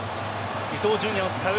伊東純也を使う。